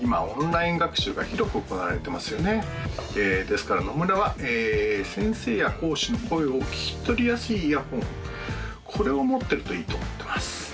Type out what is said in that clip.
オンライン学習が広く行われてますよねですから野村は先生や講師の声を聴き取りやすいイヤホンこれを持ってるといいと思ってます